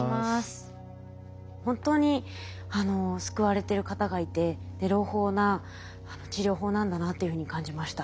本当に救われてる方がいて朗報な治療法なんだなというふうに感じました。